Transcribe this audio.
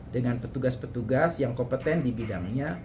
dengan petugas petugas yang kompeten di bidangnya